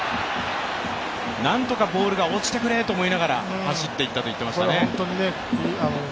何とかボールが落ちてくれと思いながら走っていたと言っていましたね。